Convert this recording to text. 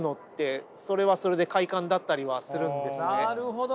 なるほど。